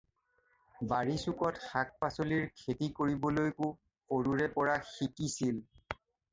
বাৰীচুকত শাক-পাচলিৰ খেতি কৰিবলৈকো সৰুৰে পৰা শিকিছিল।